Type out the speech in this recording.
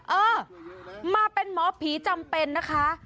เออมาเป็นหมอผีจำเป็นนะคะ